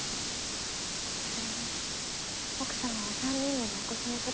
それに奥様は３人ものお子さんを育てておいででしょ。